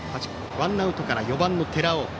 ワンアウトから４番の寺尾。